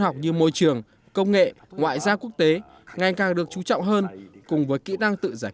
học như môi trường công nghệ ngoại gia quốc tế ngày càng được chú trọng hơn cùng với kỹ năng tự giải